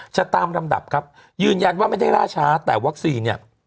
จะตามลำดับครับยืนยันว่าไม่ได้ล่าช้าแต่วัคซีนเนี่ย